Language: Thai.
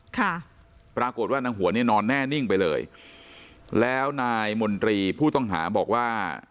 ค่ะปรากฏว่านางหัวเนี่ยนอนแน่นิ่งไปเลยแล้วนายมนตรีผู้ต้องหาบอกว่า